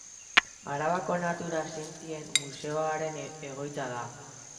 Arabako Natura Zientzien museoaren egoitza da.